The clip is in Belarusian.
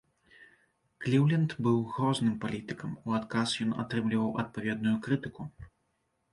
Кліўленд быў грозным палітыкам, у адказ ён атрымліваў адпаведную крытыку.